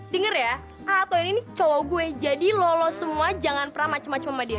dengar ya atau ini nih cowok gue jadi lolos semua jangan pernah macem macem sama dia